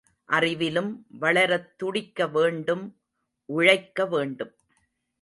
அறிவிலும் வளரத் துடிக்க வேண்டும் உழைக்க வேண்டும்.